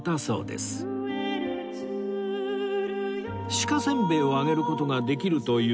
鹿せんべいをあげる事ができるという事で